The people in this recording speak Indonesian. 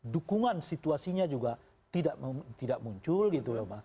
dukungan situasinya juga tidak muncul gitu loh